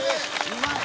うまい。